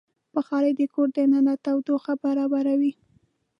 بخاري د کور دننه تودوخه برابروي.